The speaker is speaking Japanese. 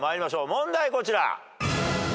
問題こちら。